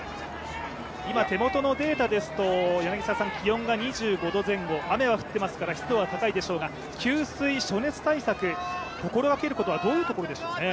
今、手元のデータですと気温が２５度前後雨は降っていますから湿度は高いでしょうが給水・暑熱対策、心掛けるところはどういうところでしょうね。